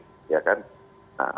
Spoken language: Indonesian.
dari sudut apa kita melihatnya